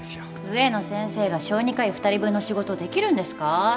植野先生が小児科医２人分の仕事できるんですか？